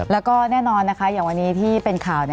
แล้วก็แน่นอนนะคะอย่างวันนี้ที่เป็นข่าว